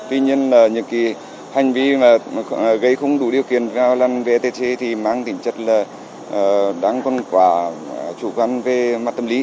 tuy nhiên là những cái hành vi mà gây không đủ điều kiện vào lần vetc thì mang tỉnh chất là đáng con quả chủ quan về mặt tâm lý